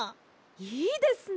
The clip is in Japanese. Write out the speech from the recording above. いいですね！